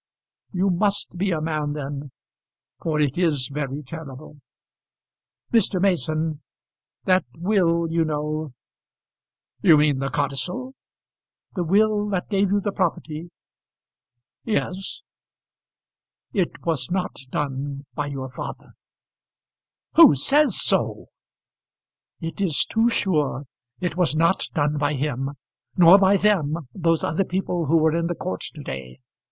"You must be a man then, for it is very terrible. Mr. Mason, that will, you know " "You mean the codicil?" "The will that gave you the property " "Yes." "It was not done by your father." "Who says so?" "It is too sure. It was not done by him, nor by them, those other people who were in the court to day."